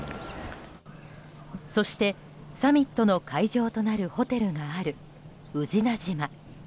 そして、サミットの会場となるホテルがある宇品島。